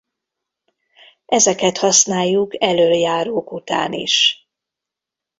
Ezeket használjuk elöljárók után is.